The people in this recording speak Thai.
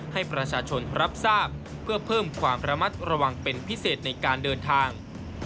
ให้ประชาชนรับทราบเพื่อเพิ่มความระมัดระวังเป็นพิเศษในการเดินทาง